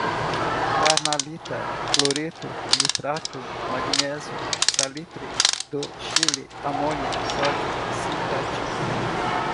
carnalita, cloreto, nitrato, magnésio, salitre do Chile, amônio, sódio sintético